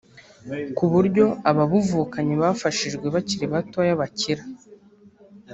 ku buryo ababuvukanye bafashijwe bakiri batoya bakira